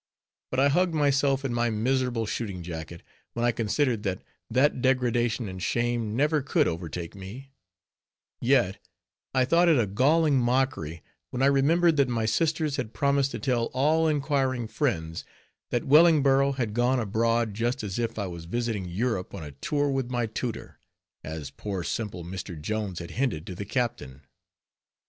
But I hugged myself in my miserable shooting jacket, when I considered that that degradation and shame never could overtake me; yet, I thought it a galling mockery, when I remembered that my sisters had promised to tell all inquiring friends, that Wellingborough had gone "abroad" just as if I was visiting Europe on a tour with my tutor, as poor simple Mr. Jones had hinted to the captain.